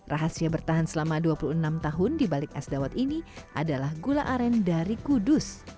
rahasia bertahan selama dua puluh enam tahun di balik es dawet ini adalah gula aren dari kudus